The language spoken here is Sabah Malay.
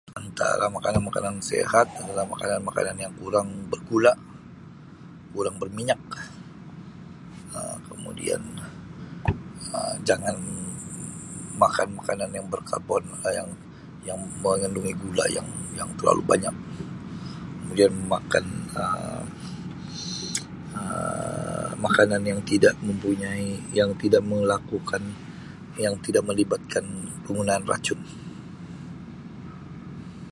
Antara makanan-makanan sihat adalah makanan-makanan yang kurang bergula, kurang berminyak, Um kemudian Um jangan Um makan makanan yang berkarbona- Um yang-yang mengandungi gula yang-yang terlalu banyak kemudian makan Um Um makanan yang tidak mempunyai, yang tidak melakukan, yang tidak melibatkan penggunaan racun.